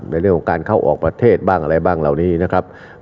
ในเรื่องของการเข้าออกประเทศบ้างอะไรบ้างเหล่านี้นะครับ